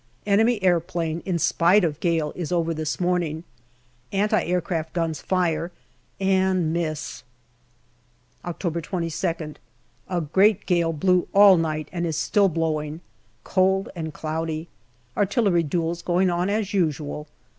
Enemy aeroplane, in spite of gale, is over this morning. Anti aircraft guns fire and miss ! October 22nd. A great gale blew all night, and is still blowing. Cold and cloudy. Artillery duels going on as usual.